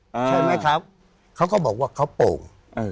ใช่ไหมครับเขาก็บอกว่าเขาโป่ง